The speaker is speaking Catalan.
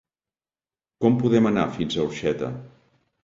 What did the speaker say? Com podem anar fins a Orxeta?